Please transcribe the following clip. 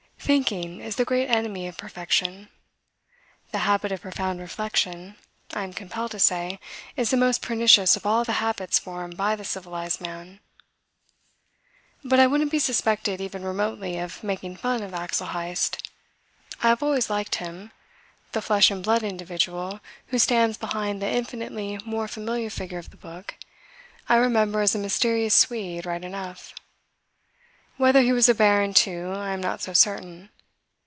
Thinking is the great enemy of perfection. The habit of profound reflection, I am compelled to say, is the most pernicious of all the habits formed by the civilized man. But I wouldn't be suspected even remotely of making fun of Axel Heyst. I have always liked him. The flesh and blood individual who stands behind the infinitely more familiar figure of the book I remember as a mysterious Swede right enough. Whether he was a baron, too, I am not so certain.